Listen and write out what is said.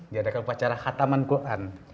diadakan upacara khataman quran